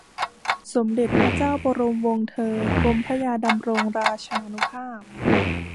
สมเด็จพระเจ้าบรมวงศเธอ กรมพระยาดำรงราชานุภาพ